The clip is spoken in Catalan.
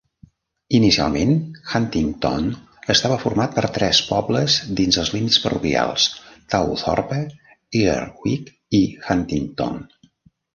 Inicialment, Huntington estava format per tres pobles dins els límits parroquials: Towthorpe, Earswick i Huntington.